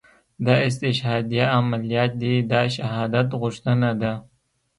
دا استشهاديه عمليات دي دا شهادت غوښتنه ده.